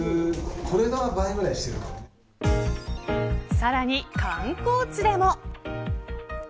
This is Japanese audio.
さらに観光地でも。